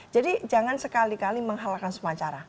jadi jangan sekali kali menghalalkan semua cara